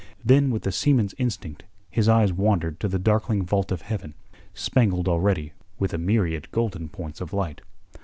Then with the seaman's instinct his eyes wandered to the darkling vault of heaven, spangled already with a myriad golden points of light.